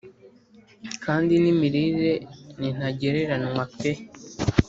kandi n’imirire ni ntagereranywa pe!